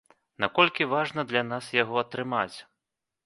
Наколькі важна для нас яго атрымаць?